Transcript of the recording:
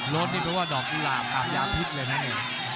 โรสนี่เป็นว่าดอกอิหราบค่ะยาพิษเลยนะนี่